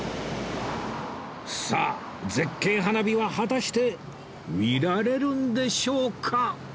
さあ絶景花火は果たして見られるんでしょうか？